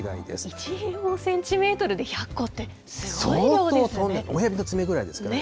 １平方センチメートルで１００個って、すごい量ですね。